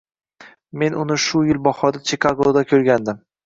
Men uni shu yil bahorda Chikagoda koʻrgandim.